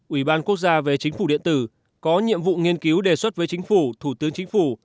ủy ban quốc gia về chính phủ điện tử có nhiệm vụ nghiên cứu đề xuất với chính phủ thủ tướng chính phủ